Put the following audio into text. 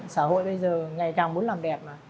xã hội bây giờ ngày càng muốn làm đẹp mà